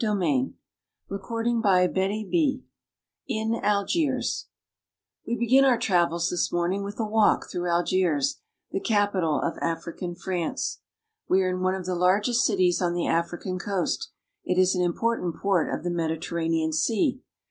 f 6. IN ALGIERS ilk through Wp arc in '» WE begin our travels this morning with a walk Algiers, the capital of African France. We are in one of the largest cities on the African coast; it is an impor tant port of the Mediterranean Sea.